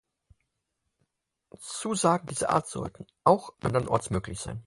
Zusagen dieser Art sollten auch andernorts möglich sein.